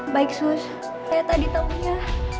baik sus saya tadi taunya